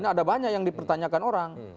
ada banyak yang dipertanyakan orang